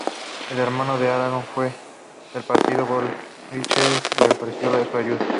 El hermano de Aarón, que era del partido bolchevique, le ofreció su ayuda.